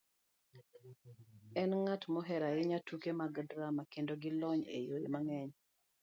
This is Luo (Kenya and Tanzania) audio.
enng'at mohero ahinya tuke mag drama, kendo gi lony e yore mang'eny.